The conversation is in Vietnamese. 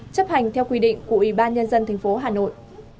chấp hành theo quy định của ủy ban nhân dân thành phố hà nội